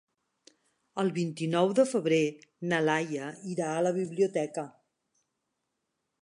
El vint-i-nou de febrer na Laia irà a la biblioteca.